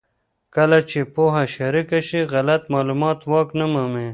کله چې پوهه شریکه شي، غلط معلومات واک نه مومي.